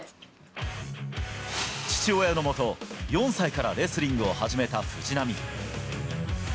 父親の下、４歳からレスリングを始めた藤波。